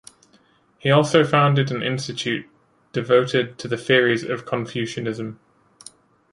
He also founded an institute devoted to the theories of Confucianism.